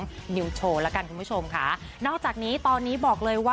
เรื่องรถชนคู่กรณีนะคะ